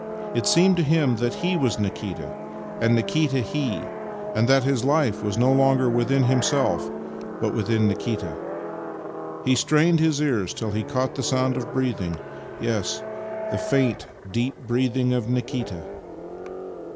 It seemed to him that he was Nikita, and Nikita he, and that his life was no longer within himself, but within Nikita. He strained his ears till he caught the sound of breathing — yes, the faint, deep breathing of Nikita.